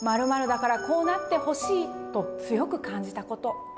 「〇〇だからこうなってほしい！」と強く感じたこと。